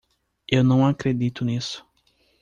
Eu não acredito nisso.